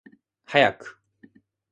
早く